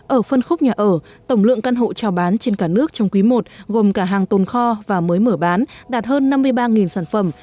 ở phân khúc nhà ở tổng lượng căn hộ trào bán trên cả nước trong quý i gồm cả hàng tồn kho và mới mở bán đạt hơn năm mươi ba sản phẩm